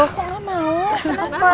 kok gak mau kenapa